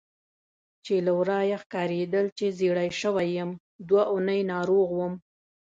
چې له ورایه ښکارېدل چې ژېړی شوی یم، دوه اونۍ ناروغ وم.